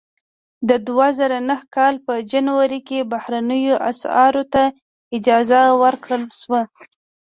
د دوه زره نهه کال په جنوري کې بهرنیو اسعارو ته اجازه ورکړل شوه.